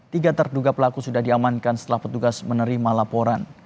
tiga terduga pelaku sudah diamankan setelah petugas menerima laporan